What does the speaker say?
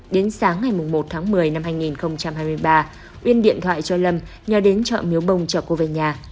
đến sáng ngày một tháng một mươi năm hai nghìn hai mươi ba uyên điện thoại cho lâm nhờ đến chợ miếu bông chở cô về nhà